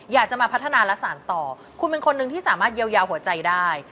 อยากจะมาพัฒนาและสารต่อคุณเป็นคนหนึ่งที่สามารถเยียวยาหัวใจได้